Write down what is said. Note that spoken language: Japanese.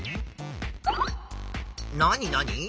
なになに？